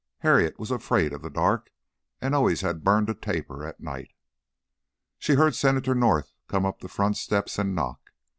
Harriet was afraid of the dark, and always had burned a taper at night. She heard Senator North come up the front steps and knock.